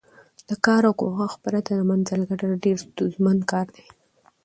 د کار او کوښښ پرته د منزل ګټل ډېر ستونزمن کار دی.